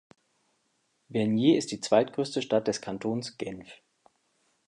Vernier ist die zweitgrösste Stadt des Kantons Genf.